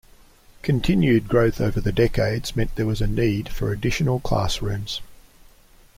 Continued growth over the decades meant there was a need for additional classrooms.